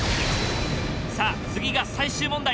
さあ次が最終問題。